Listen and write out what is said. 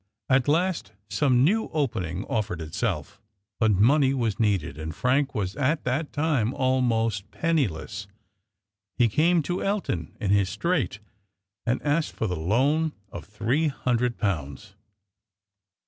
At last some new opening offered itself; but money was needed, and Frank was at that time almost penniless. He came to Elton in his strait, and asked for the loan of three hundred pounds.